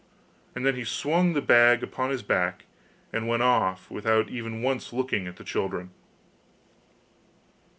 and then he swung the bag upon his back, and went off without even once looking at the children.